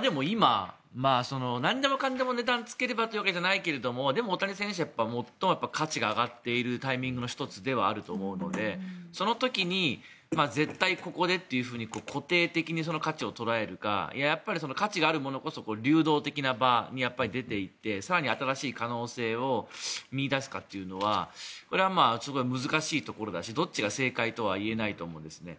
でも、今なんでもかんでも値段をつければというわけじゃないけどでも大谷選手は最も価値が上がっているタイミングの１つではあると思うのでその時に絶対ここでというふうに固定的に価値を捉えるかやっぱり価値があるものこそ流動的な場に出ていって更に新しい可能性を見いだすかというのはこれはすごく難しいところだしどっちが正解だとは言えないと思うんですね。